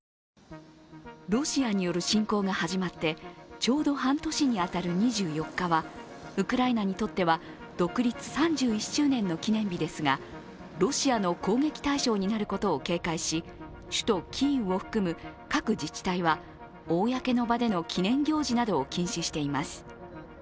ロシアによる侵攻が始まってちょうど半年に当たる２４日はウクライナにとっては独立３１周年の記念日ですがロシアの攻撃対象になることを警戒し、首都キーウを含む各自治体は公の場での記念行事などを記念しています。